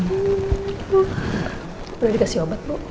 udah dikasih obat bu